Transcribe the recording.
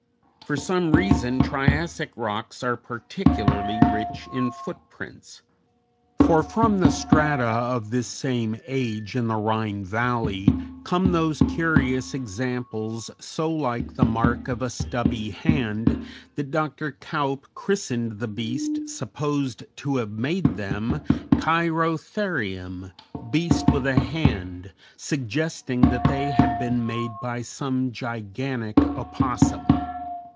For some reason Triassic rocks are particularly rich in footprints; for from strata of this same age in the Rhine Valley come those curious examples so like the mark of a stubby hand that Dr. Kaup christened the beast supposed to have made them Cheirotherium, beast with a hand, suggesting that they had been made by some gigantic opossum.